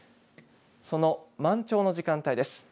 その満潮の時間帯です。